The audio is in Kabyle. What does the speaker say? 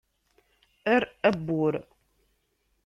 Err abbur!